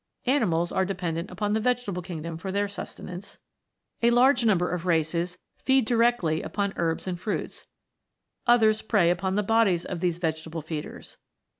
Animals are dependent upon the vegetable king dom for their sustenance. A large number of races feed directly upon herbs and fruits ; others prey upon the bodies of these vegetable feeders.